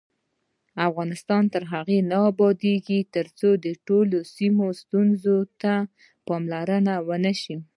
افغانستان تر هغو نه ابادیږي، ترڅو د ټولو سیمو ستونزو ته پاملرنه ونشي.